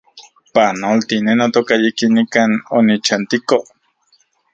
Panolti, ne notoka, yikin nikan onichantiko